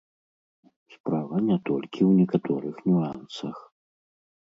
Справа не толькі ў некаторых нюансах.